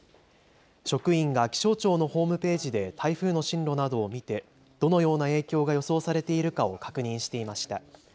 職員が気象庁のホームページで台風の進路などを見てどのような影響が予想されているかを確認していました。